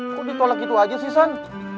kok ditolak gitu aja sih sang